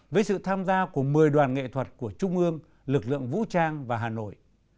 với sự tham gia của một mươi đoàn nghệ thuật của trung ương lực lượng vũ trang và hà nội